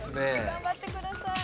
頑張ってください。